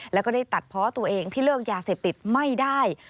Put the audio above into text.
แล้วก็ได้ตัดเพาะตัวเองที่เลิกยาเสพติดไม่ได้